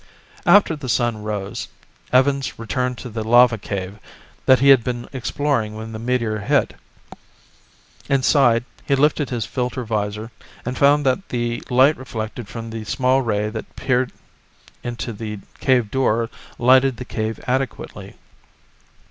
After the sun rose, Evans returned to the lava cave that he had been exploring when the meteor hit. Inside, he lifted his filter visor, and found that the light reflected from the small ray that peered into the cave door lighted the cave adequately.